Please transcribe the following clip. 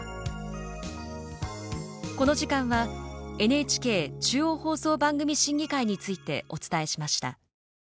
この時間はＮＨＫ中央放送番組審議会についてお伝えしました。